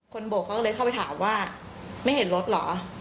โบกเขาก็เลยเข้าไปถามว่าไม่เห็นรถเหรอ